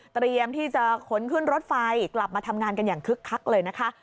เตรียมที่จะขนขึ้นรถไฟกลับมาทำงานกันอย่างคึกคักเลยนะคะ